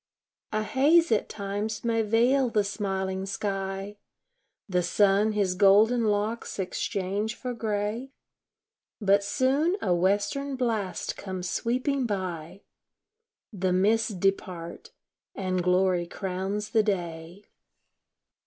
A haze at times may veil the smiling sky, The sun his golden locks exchange for gray; But soon a western blast comes sweeping by The mists depart, and glory crowns the day.